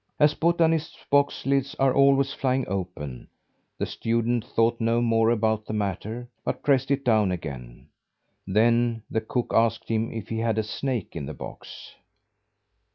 As botanists' box lids are always flying open, the student thought no more about the matter but pressed it down again. Then the cook asked him if he had a snake in the box.